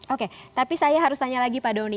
oke tapi saya harus tanya lagi pak doni